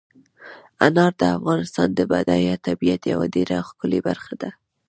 انار د افغانستان د بډایه طبیعت یوه ډېره ښکلې برخه ده.